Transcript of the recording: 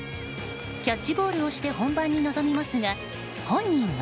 キャッチボールをして本番に臨みますが、本人は。